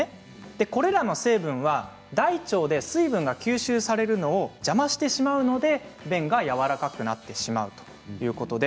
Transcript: これらの成分は大腸で水分が吸収されるのを邪魔してしまうので便が軟らかくなってしまうということです。